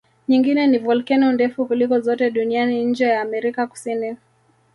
Nyingine ni volkeno ndefu kuliko zote duniani nje ya Amerika Kusini